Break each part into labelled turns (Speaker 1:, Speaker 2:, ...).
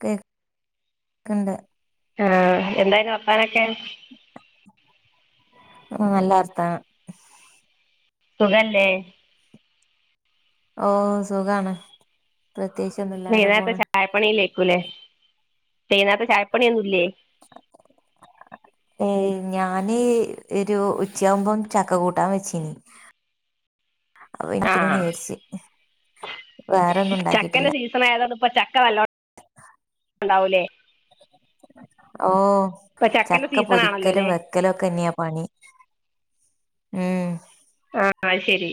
Speaker 1: കേ ക്കണ്ട്.
Speaker 2: ആ എന്തായിരുന്നു വാർത്താനൊക്കെ?
Speaker 1: ആ നല്ലർതാനം
Speaker 2: സുഖല്ലേ?
Speaker 1: ഓ സുഖാണ്. പ്രത്യേകിച്ചൊന്നുല്ല അങ്ങനെ
Speaker 2: വെയ്നേരത്തെ
Speaker 1: പോണ്
Speaker 2: ചായപ്പണിലേ കുലേ വെയ്നേരത്തെ ചായപ്പണിയൊന്നുല്ലേ?
Speaker 1: ഏയ് ഞാന് ഒരു ഉച്ചയാകുമ്പോം ചക്ക കൂട്ടാൻ വെച്ചീന്.
Speaker 2: ആഹ്
Speaker 1: [unintelligible] വേറൊന്നും ഉണ്ടാക്കിട്ടില്ല.
Speaker 2: ഇപ്പ ചക്ക വല്ല ണ്ടാവൂലേ?
Speaker 1: ഓ
Speaker 2: ചക്കന്റെ
Speaker 1: ചക്ക
Speaker 2: സീസൺ
Speaker 1: പൊരിക്കലും
Speaker 2: ആണല്ലോല്ലേ
Speaker 1: വെക്കലും ഒക്കെന്നെയ പണി. ഉം
Speaker 2: ആ അയിശെരി.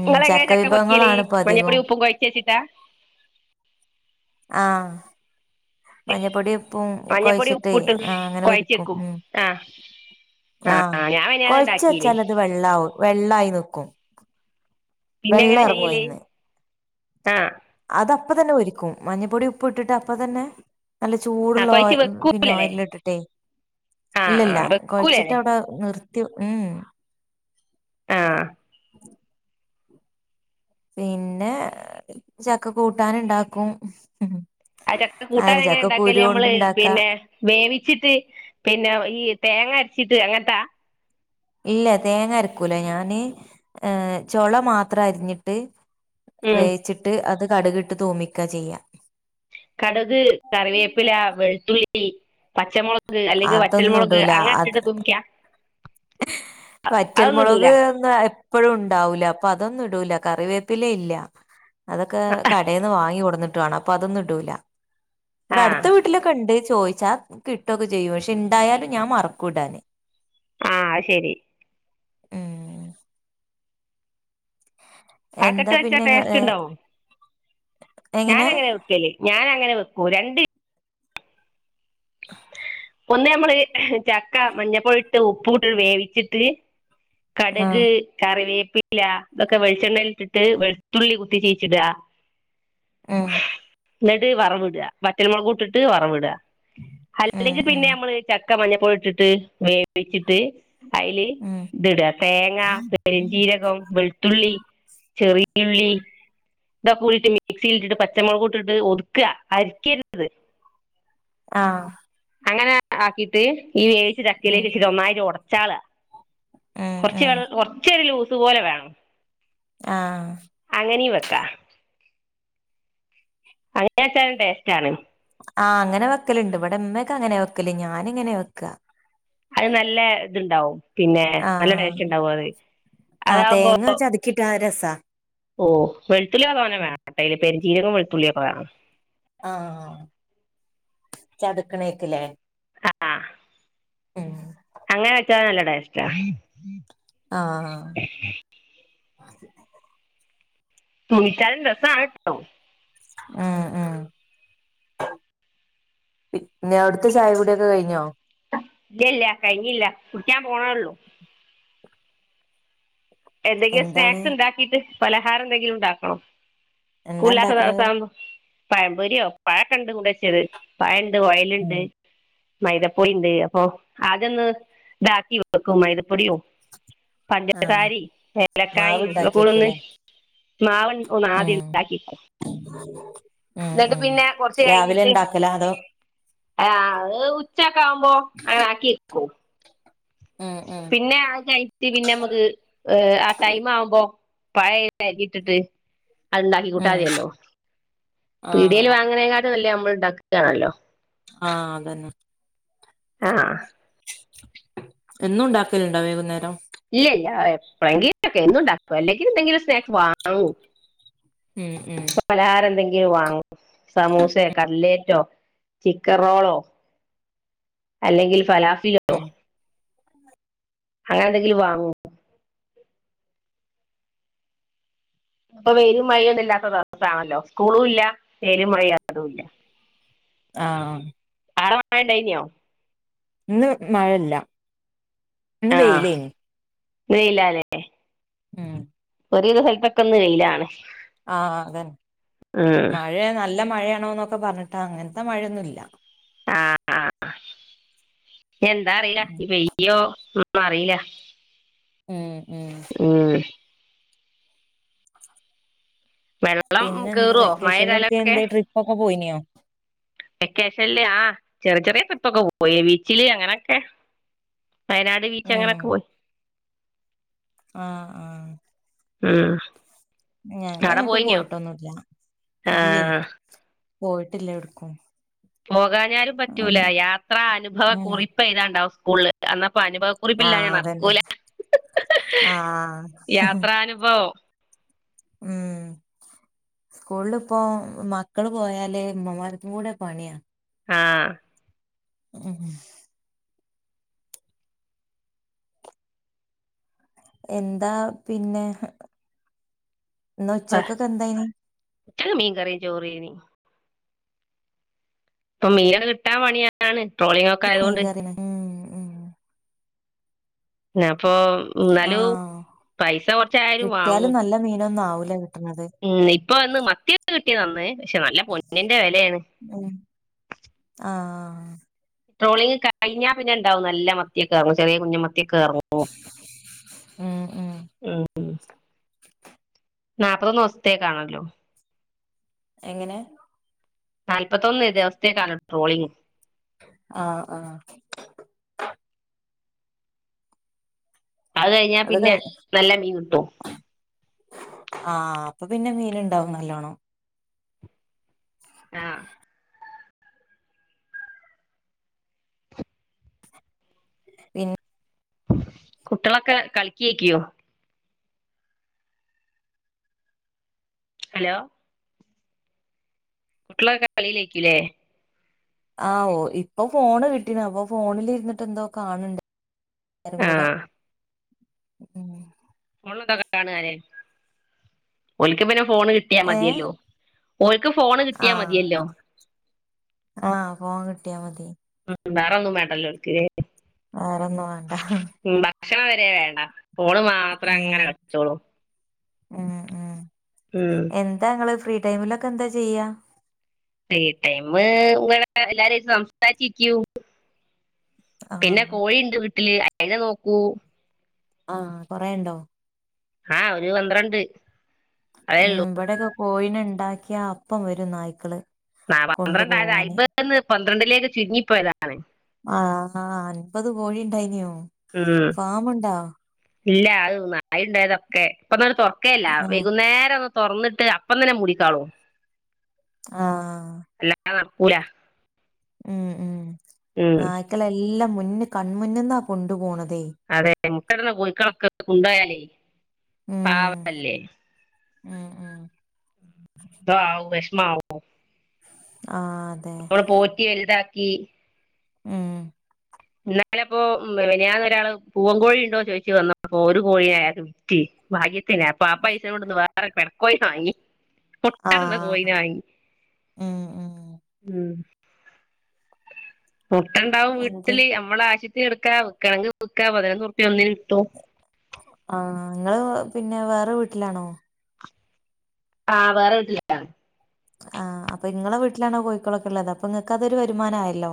Speaker 1: ഉം
Speaker 2: ങ്ങളെങ്ങനാ ചക്ക മുറികല്
Speaker 1: വിഭവങ്ങളാണ് ഇപ്പൊ അധികവും
Speaker 2: മഞ്ഞപൊടിം ഉപ്പും കൊഴച്ചേച്ചി [unintelligible]
Speaker 1: ആ മഞ്ഞപ്പൊടിപ്പും
Speaker 2: മഞ്ഞപ്പൊടി
Speaker 1: കൊഴിച്ചിട്ടേ
Speaker 2: ഉപ്പുട്ട്
Speaker 1: ആ അങ്ങനെരുക്കും
Speaker 2: കുഴച്ചെക്കും
Speaker 1: ഉം
Speaker 2: ആഹ്
Speaker 1: ആ
Speaker 2: ആഹ് ഞാൻ മിനിയാന്ന്
Speaker 1: കൊഴച്ച്
Speaker 2: ഉണ്ടാക്കീന്
Speaker 1: വച്ചാൽ അത് വെള്ളാവും. വെള്ളായി നിക്കും. വെള്ളം ഇറങ്ങുവയിന്ന്.
Speaker 2: ആ
Speaker 1: അത് അപ്പ തന്നെ പൊരിക്കും, മഞ്ഞപ്പൊടി ഉപ്പുട്ടിട്ട് അപ്പ തന്നെ നല്ല
Speaker 2: ആഹ്
Speaker 1: ചൂടുള്ള ഓ
Speaker 2: കുഴച്ച്
Speaker 1: പിന്നെ
Speaker 2: വെക്കൂലല്ലേ
Speaker 1: ഓയിലിട്ടിട്ടെ
Speaker 2: ആഹ്
Speaker 1: ഇല്ലില്ല
Speaker 2: ആഹ്
Speaker 1: കൊഴച്ചിട്ട്
Speaker 2: വെക്കൂലല്ലേ
Speaker 1: അവിടെ നിർ ക്കു മ്.
Speaker 2: ആ
Speaker 1: പിന്നെ ചക്ക കൂട്ടാന്ണ്ടാക്കും.
Speaker 2: അയ് ചക്ക കൂട്ടാനെങ്ങനാ ഉണ്ടാക്കല് നമ്മള്
Speaker 1: ഇണ്ടാക്കാ
Speaker 2: പിന്നെ വേവിച്ചിട്ട് പിന്നെ ഈ തേങ്ങ ട്ട് അങ്ങൻത്താ?
Speaker 1: ഇല്ല തേങ്ങ അരക്കൂല ഞാന് ഏ ചൊള മാത്രരിഞ്ഞിട്ട്
Speaker 2: ഉം
Speaker 1: വേച്ചിട്ട് അത് കടുകിട്ട് തോമിക്കാ ചെയ്യാ
Speaker 2: കടുക് കറിവേപ്പില വെളുത്തുള്ളി ള്ളി പച്ചമോളക് അല്ലെങ്കി വറ്റൽ
Speaker 1: അതൊന്നും
Speaker 2: മൊളക്
Speaker 1: ഇടൂല
Speaker 2: അങ്ങനെ ഇട്ടിട്ട
Speaker 1: അത്
Speaker 2: തൂമിക്കാ
Speaker 1: വറ്റൽമുളക് ഒന്നു എപ്പഴും ഉണ്ടാവൂല പ്പതൊന്നും ഇടൂല കറിവേപ്പിലെയില്ല അതൊക്കെ കടയിന്ന് വാങ്ങി കൊടുന്നിട്ട് ട്ടുആണ് അപ്പൊ അതൊന്നും ഇടൂല ഇവിടെ
Speaker 2: ആഹ്
Speaker 1: അടുത്ത വീട്ടിലൊക്കെണ്ട് ചോയിച്ചാ കിട്ടൊക്കെ ചെയ്യും പക്ഷെ ഇണ്ടായാലും ഞാൻ മറക്കൂടാന്
Speaker 2: ആഹ അയ്ശരി
Speaker 1: ഉം
Speaker 2: ഹക്കെട്ട്
Speaker 1: എന്താ
Speaker 2: വെച്ചാ
Speaker 1: പിന്നെ ഇങ്ങള്
Speaker 2: ടേസ്റ്റ് ഉണ്ടാഓ
Speaker 1: എങ്ങനെ
Speaker 2: ഞാനങ്ങനെയാ വെക്കല് ഞാനങ്ങനെ വെക്കൂ രണ്ടി ഒന്ന് ഞമ്മള് ചക്ക മഞ്ഞപ്പോടീട്ട് ചക്ക ഉപ്പൂട്ടിട്ട് വേവിച്ചിട്ട്
Speaker 1: ആഹ്
Speaker 2: കടക് കറിവേപ്പ് ഇല്ല ഇതൊക്കെ വെളിച്ചെണ്ണയിലിട്ടിട്ട് വെളുത്തുള്ളി കുത്തിച്ചീച്ചിടാ
Speaker 1: ഉം
Speaker 2: എന്നിട് വറവിട വറ്റൽമുളകൂട്ടിട്ട് വറവിട
Speaker 1: ഉം
Speaker 2: അല്ലെങ്കിൽ
Speaker 1: ഉം
Speaker 2: പിന്നെ ഞമ്മള് ചക്ക മഞ്ഞപൊടിട്ടിട്ട് വേവിപ്പിച്ചിട്ട് അയില്
Speaker 1: ഉം
Speaker 2: ഇത് ഇട്അ തേങ്ങ പെരിഞ്ചീരകം വെളുത്തുള്ളി ചെറിയ ഉള്ളി ഇതൊക്കെട്ടിട്ട് മിക്സിലിട്ടിട്ട് പച്ചമുളക് ഇട്ടിട്ട് ഒതുക്ക്അ അരിക്കരുത്
Speaker 1: ആഹ
Speaker 2: അങ്ങന ആക്കീട്ട് ഇനി വേവിച്ച
Speaker 1: ഉം
Speaker 2: ചക്കേലേക്കിട്ട് ഒന്നായിറ്റ് ഒട ചാള
Speaker 1: ഉം
Speaker 2: കുറച്ച്
Speaker 1: ഉം
Speaker 2: ചാർ കുറച്ചൊരു ലൂസ് ഇതുപോലെ വേണം
Speaker 1: ആഹ
Speaker 2: എനീ വെക്കാ അങ്ങനെ വെച്ചാലും ടേസ്റ്റാണ്
Speaker 1: ആഹ് അങ്ങനെ വെക്കലുണ്ട് ഇവിടെ ഇമ്മക്കെയങ്ങനെ വെക്കല് ഞാനിങ്ങനെ വെക്ക
Speaker 2: ടെസ്റ്റ്ണ്ടാവും പിന്നെ നല്ല
Speaker 1: ആഹ്
Speaker 2: ടേസ്റ്റ് ഉണ്ടാവുഅത്
Speaker 1: ആഹ്
Speaker 2: അതാവുമ്പോ
Speaker 1: തേങ്ങ ചതക്കിട്ടാ രസാ
Speaker 2: ഓ വെളുത്തുള്ളി നല്ലോണം
Speaker 1: ഉം
Speaker 2: വേണംട്ട ഇതിൽ പെരു ജീരകം വെളത്തുള്ളിയൊക്കെ വേണം
Speaker 1: ആഹ ചതുക്കണേയ്ക്കല്ലേ
Speaker 2: ആ
Speaker 1: മ്മ്
Speaker 2: അങ്ങനെ വെച്ചാ നല്ല ട്ടേസ്റ്റാ
Speaker 1: ആ
Speaker 2: തൂമ്പിചാലും രെസാണ് ട്ടൊ
Speaker 1: ആ ആ [unintelligible] പിന്നെ അവുട്ത്തെ ച്ചായകുടിയൊകെ കയിഞോ
Speaker 2: ഇല്ല ഇല്ല കഴിഞ്ഞീല്ല കുടിക്യാൻ പോണോള്ളൂ എന്തൊക്കെ
Speaker 1: എന്താണ്
Speaker 2: സ്നാക്സ് ഇണ്ടാക്കിട്ട് പലഹാരന്തെങ്കിലും ഉണ്ടാക്കണോ
Speaker 1: എന്താ
Speaker 2: സ്കൂള്ല്ലാത്ത
Speaker 1: ഇണ്ടാക്കണത്
Speaker 2: ദെവസാവുമ്പൊ പയം പൊരിയോ പഴൊകെണ്ട് കൊണ്ടെച്ചത് പഴം ഓയ്ല്ണ്ട്
Speaker 1: ഉം
Speaker 2: മൈദപൊടിണ്ട് അപോ ആദ്യന്ന് താകി വെക്കും മൈദപൊടിയും
Speaker 1: ആഹ്
Speaker 2: പഞ്ചസാരിം
Speaker 1: മാവ്
Speaker 2: ഐലകായും തൊ കൂടൊന്ന്
Speaker 1: ഇണ്ടാക്കിയേക്കൂലേ
Speaker 2: മാവ്
Speaker 1: ഉം
Speaker 2: ഒന്നാദ്യണ്ടാക്യെക്കും
Speaker 1: ഉം
Speaker 2: ന്നട്ട്
Speaker 1: ഉം
Speaker 2: പിന്നെ കൊർച്ച്
Speaker 1: രാവിലെ
Speaker 2: കയിഞിട്ട്
Speaker 1: ഇണ്ടാക്കലാ അതോ
Speaker 2: ആ അഹ് ഉച്ച ഒക്കാവുമ്പോ അങ്ങനാക്കി [inaudible]
Speaker 1: ഉം ഉം
Speaker 2: പിന്നെ ആ കഴിഞിട്ട് പിന്നമ്മക്ക് ഏ ആ ടൈം ആവുമ്പോ പയ അയ്ലെരിഞ്ഞിട്ടിട്ട് അഅ്ണ്ടാക്കി
Speaker 1: ഉം
Speaker 2: കൂട്ടാതിയല്ലോ
Speaker 1: ആഹ്
Speaker 2: പീടിയേല് വാങ്ങ്ണേ കാട് ലും നല്ലെ നമ്മള്ണ്ടാക്ണാണല്ലൊ
Speaker 1: ആ അതെന്നെ
Speaker 2: ആ
Speaker 1: എന്നുണ്ടാക്കല്ണ്ടൊ വൈകുന്നേരം
Speaker 2: ഇല്ല ഇല്ല എപ്പളെങ്കിലൊക്കെ എന്നും ഉണ്ടാക്കൂല അല്ലെങ്കിൽ എന്തെങ്കിലും സ്നാക്ക്സ് വാങ്ങും
Speaker 1: മ് മ്
Speaker 2: [unintelligible] വാങ്ങും സമൂസേ കട്ട്ലേറ്റ് റ്റൊ ചിക്കൻറോളോ അല്ലെങ്കിൽ ഫലാഫി ഫിലോ
Speaker 1: ഉം
Speaker 2: അങ്ങനെന്തെങ്കിലും വാങ്ങും ഇപ്പം വെയിലും മയയൊന്നും ഇല്ലാത്ത ദെവസണല്ലോ സ്കൂളുല്ല വെയിലും മയി അതുല്ല
Speaker 1: ആ
Speaker 2: ആടെ മയണ്ടായീനിയോ
Speaker 1: ഇന്ന് മഴല്ല ഇന്ന് വെയിലേനി
Speaker 2: വെയിലാ ല്ലേ
Speaker 1: ഉം
Speaker 2: ഒരു വിധം സ്ഥലത്തൊക്ക ഇന്ന് വെയിലാണ്.
Speaker 1: ആഹ അതന്നെ
Speaker 2: ഉം.
Speaker 1: മഴയ നല്ല മഴയാണോ നോ ഒക്കെ പറഞ്ഞിട്ട് അങ്ങനത്തെ മഴയൊന്നുല്ല
Speaker 2: ആഹ എന്താ അറിയില്ല ഇനി പെയ്യോ അറീല
Speaker 1: ഉം ഉം
Speaker 2: മ് വെള്ളം
Speaker 1: പിന്നെന്താ
Speaker 2: കേറുവോ മഴ
Speaker 1: വെക്കേഷനിൽ എടക്കെ
Speaker 2: പെയ്താലൊക്കെ
Speaker 1: എന്തേ ട്രിപ്പ് ഒക്കെ പോയിനിയോ?
Speaker 2: വെക്കേഷൻല്ലാ ചെറിയ ചെറിയ ട്രിപ്പൊക്കെ പോയി ബീച്ചില് അങ്ങനെക്കെ വയനാട് ബീച്ച് അങ്ങനൊക്കെ പോയി
Speaker 1: ആഹ ആഹ
Speaker 2: മ്
Speaker 1: ഞങ്ങള് എങ്ങോട്ടും പോയിട്ടൊന്നുല്ല
Speaker 2: ആ
Speaker 1: ഇല്ലേ പോയിട്ടില്ല എടുക്കും
Speaker 2: പോകാ [unintelligible] പറ്റൂല യാത്ര അനുഭവ
Speaker 1: ആഹ്
Speaker 2: കുറിപ്പ് ഏഴുതെണ്ട അവസ്‌ [unintelligible] ഇപ്പൊ അനുഭവക്കുറിപ്പില്ല ഞാൻ
Speaker 1: അതന്നെ
Speaker 2: മറക്കൂല
Speaker 1: ആഹ്
Speaker 2: യാത്ര അനുഭവം
Speaker 1: ഉം സ്കൂളിലിപ്പോ മക്കള് പോയല് ഉമ്മമാർക്കും കൂടെ പണിയാ
Speaker 2: ആ
Speaker 1: ഉം എന്താ പിന്നെ ഇന്ന് ഉച്ചക്കൊക്കെ എന്തായിനി
Speaker 2: [unintelligible] മീൻ കറിയും ചോറും ആയിനി ഇപ്പൊ മീനൊക്കെ കിട്ടാൻ പണിയാണ് ട്രോളിംഗ് ഒക്കെ ആയതുകൊണ്ട്
Speaker 1: [unintelligible]
Speaker 2: ആ അപ്പൊ എന്നാലും
Speaker 1: ആഹ്
Speaker 2: പൈസ കൊറച്ചായാലും
Speaker 1: കിട്ടിയാലും
Speaker 2: വാങ്ങും
Speaker 1: നല്ല [unintelligible]
Speaker 2: ഉം ഇപ്പൊ വന്ന് മത്തിക്കെ കി [unintelligible] പക്ഷെ നല്ല പൊന്നിന്റെ വിലയാണ്
Speaker 1: ഉം ആഹ്
Speaker 2: ട്രോളിങ് കഴിഞ്ഞാൽ പിന്നെണ്ടാവും നല്ല മത്തി ഒക്കെ ചെറിയ കുഞ്ഞൻ മ യൊക്കെ എറങ്ങും
Speaker 1: ഉം ഉം
Speaker 2: മ്മ് നാല്പത്തൊന്ന് ദിവസത്തേക്കാണല്ലോ
Speaker 1: എങ്ങനെ
Speaker 2: നാല്പത്തൊന്ന് ദിവസത്തേക്കാണ് ട്രോളിങ്
Speaker 1: ആഹ് ആഹ്
Speaker 2: അത് കഴിഞ്ഞാ പിന്നെ നല്ല മീൻ കിട്ടും
Speaker 1: ആഹ് അപ്പൊ പിന്നെ മീൻണ്ടാവും നല്ലോണം
Speaker 2: ആഹ്
Speaker 1: പിന്നെ
Speaker 2: കുട്ടികളൊക്കെ കളിക്കക്കിയോ ഹലോ കുട്ടികളൊക്കെ കളിലാരിക്കില്ലേ
Speaker 1: ആഹ് ഓ ഇപ്പൊ ഫോണ് കിട്ടീന് അപ്പൊ ഫോണിലിരുന്നിട്ട് എന്തോ കാണണ്ട് എല്ലാരും
Speaker 2: ആ
Speaker 1: കൂടെ മ്മ്
Speaker 2: [unintelligible] ഓലിക്കും പിന്നെ ഫോണ് കിട്ടിയാ
Speaker 1: ഏഹ്
Speaker 2: മതിയല്ലോ ഓര്ക്ക് ഫോണ് കിട്ടിയാ
Speaker 1: ആഹ്
Speaker 2: മതിയല്ലോ
Speaker 1: ആഹ് ഫോൺ കിട്ടിയാ മതി
Speaker 2: വേറൊന്നും വേണ്ടല്ലോ ഓല്ക്ക്
Speaker 1: വേറൊന്നും വേണ്ട
Speaker 2: ഉം, ഭക്ഷണം വരെ വേണ്ട ഫോണ് മാത്രം അങ്ങനെ കളിച്ചോളും
Speaker 1: മ് മ് എന്താങ്ങള് ഫ്രീ ടൈമിലൊക്കെ എന്താ ചെയ്യാ
Speaker 2: ഫ്രീ ടൈം ഇങ്ങനെ എല്ലാരായിട്ട് സംസാരിച്ചിരിക്കും
Speaker 1: ആഹ്
Speaker 2: പിന്നെ കോഴിണ്ട് വീ ട്ടില് അയിനെ നോക്കും
Speaker 1: ആഹ് കൊറേയ്ണ്ടോ
Speaker 2: ആഹ് ഒരു പന്ത്രണ്ട് അതേ
Speaker 1: മ്
Speaker 2: ഉള്ളൂ
Speaker 1: വ്ടൊക്കെ കോഴിനെ ണ്ടാക്കിയ അപ്പം വരും നായ്ക്കള്
Speaker 2: ആഹ് പന്ത്രണ്ടായത്
Speaker 1: കൊണ്ടുപോവാന്
Speaker 2: അയിമ്പേന്ന് പന്ത്രണ്ടിലേക്ക് ചുരുങ്ങിപ്പോയതാണ്
Speaker 1: ണ്ടായിനോ ഫാമ്ണ്ടോ
Speaker 2: ഇല്ല അയ് നായണ്ടായതൊക്കെ ഇപ്പന്നാര തൊറ് ക്കേല്ല
Speaker 1: ആഹ്
Speaker 2: വൈകുന്നേരം വൊ തൊർന്ന്ട്ട് അപ്പം തന്നെ മൂടിക്കാളും
Speaker 1: ആഹ്
Speaker 2: ല്ല അവ് നടക്കൂല
Speaker 1: ഉം ഉം
Speaker 2: ഉം
Speaker 1: നായ്ക്കളെല്ലാം മു മുന്ന് കൺമുന്ന്ന്നാ കൊണ്ട്പോണത്
Speaker 2: അതെ മുട്ടട്ണ കോയ്ക്കളൊക്കെ കൊണ്ടോയാലെ [unintelligible]
Speaker 1: ഉം
Speaker 2: പാവല്ലേ
Speaker 1: ഉം ഉം
Speaker 2: ന്തോ ആവും വെഷ്മാവു
Speaker 1: ആതെ
Speaker 2: ക്കി
Speaker 1: ഉം
Speaker 2: ഇന്നലെപ്പോ മെനിയാന്ന് ഒരാള് പൂവൻ കോഴിണ്ടോ ചോയ്ച്ച് വന്നപ്പോ ഒരു ഒരു കോഴിയെ അയാക്ക് വിറ്റി ഭാഗ്യ പിന്നേപ്പം ആ പൈസെനോണ്ട്ന്ന് വേ വേറൊര് പെടക്കോയിനെ വാങ്ങി മുട്ടട്ണ
Speaker 1: ആഹ്
Speaker 2: കോയിന വാങ്ങി
Speaker 1: ഉം ഉം
Speaker 2: ഉം മുട്ടണ്ടാവും
Speaker 1: എന്ത്
Speaker 2: വീട്ടില് അമ്മളാശി എട്ക്ക വ്ക്കണങ്ക് വ്ക്കാ പതിനൊന്നുർ
Speaker 1: ആഹ് ങ്ങള് പിന്നെ വേറെ വീട്ട്ലാണോ
Speaker 2: ആഹ് വേറെ വീട്ടി [unintelligible]
Speaker 1: ആഹ് അപ്പൊ ഇങ്ങളെ വീട്ടിലാണോ കോഴിക്കളൊക്ക ള്ളത് അപ്പൊ ങ്ങക്ക് അതൊരു വരുമാനായല്ലോ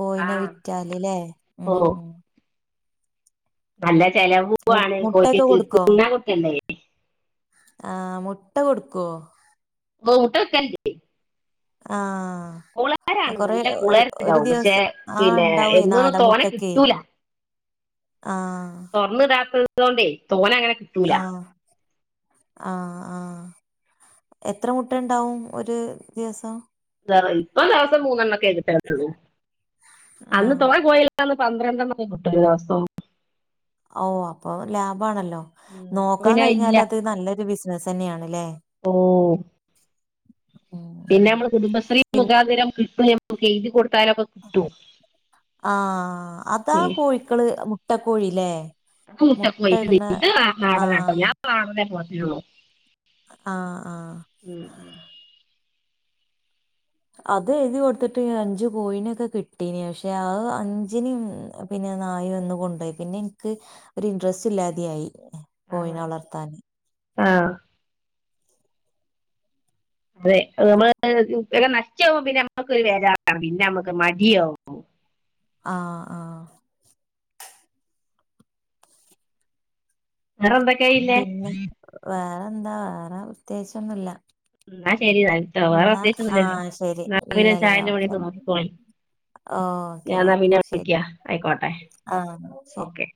Speaker 1: കോയിന
Speaker 2: ആഹ്
Speaker 1: വിറ്റാല് ലേ ഉം ഉം
Speaker 2: അല്ല ചെലവു
Speaker 1: മു
Speaker 2: ആണ്
Speaker 1: മുട്ടയൊക്കെ
Speaker 2: കോയ്ക്ക്യക്ക് ത് ന്നാ കൊട്കണ്ടേ
Speaker 1: ആ മുട്ട കൊടുക്കുവോ
Speaker 2: ഓ മുട്ട [unintelligible] ക്കൽണ്ട്
Speaker 1: ആഹ്
Speaker 2: കുളരാണ്
Speaker 1: കൊറെ
Speaker 2: നല്ല
Speaker 1: ഒരു
Speaker 2: കുളര്
Speaker 1: ഒരു
Speaker 2: ണ്ടാവും പക്ഷെ
Speaker 1: ദിവസം ആഹ്
Speaker 2: പിന്നെ
Speaker 1: ഇണ്ടാവേ
Speaker 2: എന്നൊന്നു
Speaker 1: നാടൻ
Speaker 2: തോന ക്
Speaker 1: മുട്ടക്കെ
Speaker 2: ട്ടൂല
Speaker 1: ആഹ്
Speaker 2: തൊർന്ന് ടാത്ത് തോണ്ടെ
Speaker 1: ആഹ് ആ ആ എത്ര മുട്ടണ്ടാവും ഒര് ദിവസം
Speaker 2: ഇപ്പൊ ദിവസം മൂന്നെണ്ണ ക്കെ കിട്ടള്ളൂ അന്ന്
Speaker 1: ആഹ്
Speaker 2: തോന കോയ്യള് [unintelligible] പന്ത്രണ്ടെണ്ണം കിട്ടോ ഒരു ദിവസം
Speaker 1: ഓ അപ്പൊ ല
Speaker 2: ഇപ്പൊ പിന്നെ ഇല്ല
Speaker 1: നല്ലൊരു ബിസിനസ് തന്നെയാണ്ല്ലേ
Speaker 2: ഓ
Speaker 1: ഉം ഉം
Speaker 2: പിന്നെ നമ്മള് കുടുംബശ്രീ
Speaker 1: പിന്നെ
Speaker 2: മുഖാന്തരം ഓക്കെ എഴുതി കൊ
Speaker 1: ആഹ് അതാ
Speaker 2: ഉം.
Speaker 1: കോഴിക്കള് മുട്ട കോഴിലേ
Speaker 2: [unintelligible] നാടനാട്ടോ
Speaker 1: ആഹ്
Speaker 2: ഞാൻ പോ [unintelligible]
Speaker 1: ആഹ് ആഹ് അത് എഴുതി കൊടുത്തിട്ട് അഞ്ചു കോഴിനൊക്കെ കിട്ടീന് പക്ഷെ ആ അഞ്ചിന് പിന്നെ നായ ഒന്ന് കൊണ്ടുപോയി പിന്നെ എനിക്ക് ഒരു ഇൻട്രസ്‌റ് ഇല്ലാതെയായി കോയിന വളർത്താൻ
Speaker 2: ആഹ് അതെ നമ്മള് നശിച്ചൊവുമ്പോ പിന്നെ നമ്മക്കൊരു വേജാറാ പിന്നെ നമ്മുക്ക് മടിയാവും
Speaker 1: ആഹ് ആഹ്
Speaker 2: വേറെന്തെ
Speaker 1: പിന്നെ വേറെ എന്താ വേറെ പ്രേതേകിച് ഒന്നുമല്ല
Speaker 2: എന്നാ ശരി വേറെ അത്യാവശ്യം
Speaker 1: ആ
Speaker 2: ഒന്നല്ലല്ലോ
Speaker 1: ശരി
Speaker 2: ഞാ പിന്നെ
Speaker 1: ഇല്ലല്ല
Speaker 2: ചായന്റെ
Speaker 1: ഓക്കെ
Speaker 2: പണിയൊക്കെ നോക്കിക്കോള
Speaker 1: ഓക്കെ
Speaker 2: ഞാൻ
Speaker 1: വാ
Speaker 2: എന്നാ പിന്നെ വിളിക്ക
Speaker 1: ശരി
Speaker 2: ആയിക്കോട്ടെ
Speaker 1: ആ ശരി
Speaker 2: ഓക്കെ